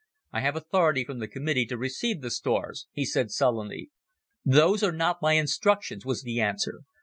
"I have authority from the Committee to receive the stores," he said sullenly. "Those are not my instructions," was the answer.